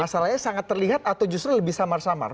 masalahnya sangat terlihat atau justru lebih samar samar